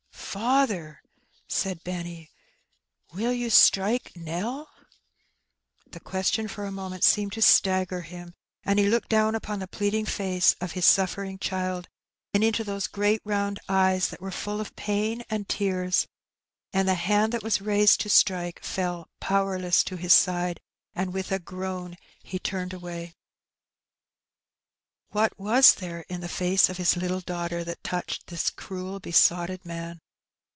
"Paather," said Benny, ''will you strike NeU?" The question for a moment seemed to stagger him, and he looked down upon the pleading face of his suffering child, and into those great round eyes that were fiiU of pain and tears, and the hand that was raised to strike fell powerless to his side, and with a groan he turned away. c 2 20 Her Benny. What was there in the face of his Kttle daughter that touched this cruel, besotted man?